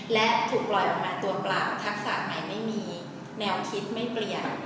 และถูกปล่อยออกมาตัวเปล่าทักษะไหนไม่มีแนวคิดไม่เปลี่ยน